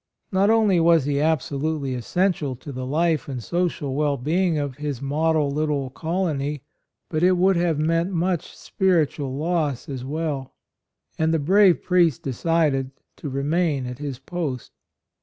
Not only was he absolutely essential to the life and social well being of his model little colony, but it would have meant much spiritual loss as well; and the brave priest decided to remain at his post.